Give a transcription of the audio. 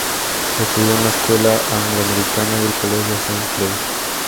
Estudió en la Escuela Anglo-Americana y el Colegio Saint Clare.